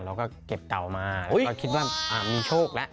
แล้วก็เก็บเต่ามาแล้วก็คิดว่ามีโชคแล้ว